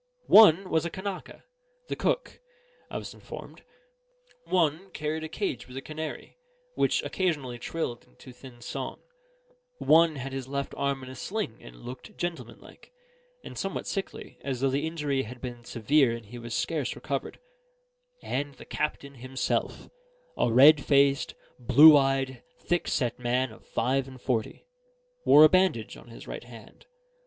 One was a Kanaka the cook, I was informed; one carried a cage with a canary, which occasionally trilled into thin song; one had his left arm in a sling and looked gentlemanlike, and somewhat sickly, as though the injury had been severe and he was scarce recovered; and the captain himself a red faced, blue eyed, thickset man of five and forty wore a bandage on his right hand.